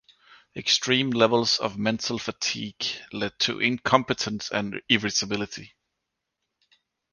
Extreme levels of mental fatigue lead to incompetence and irritability.